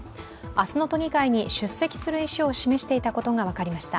明日の都議会に出席する意思を示していたことが分かりました。